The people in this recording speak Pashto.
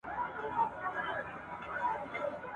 نه صیاد نه قفس وینم قسمت ایښی راته دام دی !.